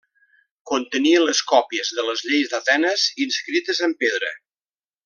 Contenia les còpies de les lleis d'Atenes, inscrites en pedra.